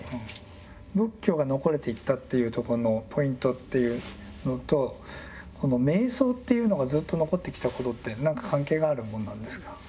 仏教が残れていったっていうとこのポイントっていうのとこの瞑想っていうのがずっと残ってきたことって何か関係があるもんなんですか？